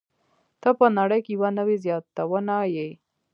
ته په نړۍ کې یوه نوې زياتونه يې.